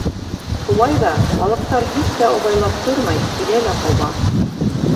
Шулай ҙа балыҡтар һис тә абайлап тормай килә лә ҡаба.